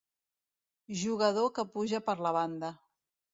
Jugador que puja per la banda.